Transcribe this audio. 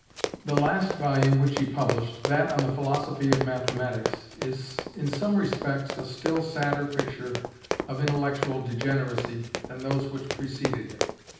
The last volume which he published, that on the Philosophy of Mathematics, is in some respects a still sadder picture of intellectual degeneracy than those which preceded it.